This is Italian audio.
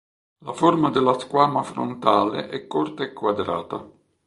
La forma della squama frontale è corta e quadrata.